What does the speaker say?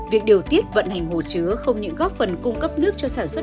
việc điều tiết vận hành hồ chứa không những góp phần cung cấp nước